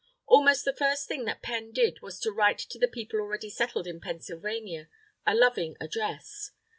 Almost the first thing that Penn did was to write to the people already settled in Pennsylvania, "a loving address."